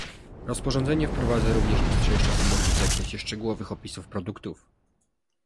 Rozporządzenie wprowadza również ostrzejsze wymogi w zakresie szczegółowych opisów produktów